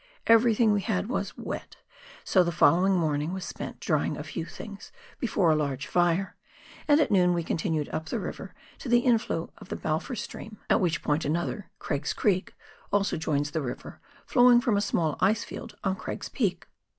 Everything we had was wet, so the following morning was spent drying a few things before a large fire, and at noon we continued up the river to the inflow of the Balfour stream, at COOK RIVER — BA.LFOUR GLACIER. 87 wliicli point another, Craig's Creek, also joins tlie river, flow ing from a small ice field on Craig's Peak.